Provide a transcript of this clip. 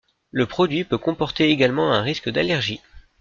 Le produit peut comporter également un risque d'allergie.